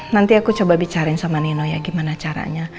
nanti aku coba bicarain sama nino ya gimana caranya